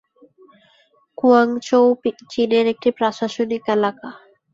Guangzhou চীনের একটি প্রশাসনিক এলাকা।